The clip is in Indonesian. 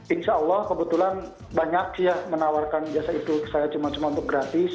insya allah kebetulan banyak ya menawarkan jasa itu saya cuma cuma untuk gratis